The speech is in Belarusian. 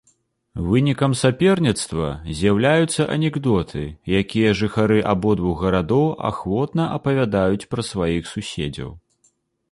Вынікам саперніцтва з'яўляюцца анекдоты, якія жыхары абодвух гарадоў ахвотна апавядаюць пра сваіх суседзяў.